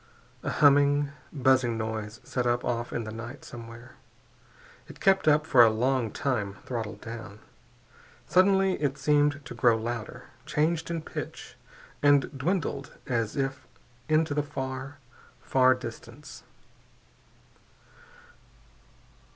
A humming, buzzing noise set up off in the night somewhere. It kept up for a long time, throttled down. Suddenly it seemed to grow louder, changed in pitch, and dwindled as if into the far, far distance.